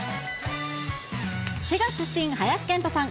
滋賀出身、林遣都さん。